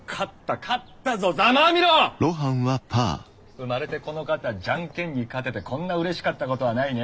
生まれてこの方ジャンケンに勝ててこんなうれしかったことはないね！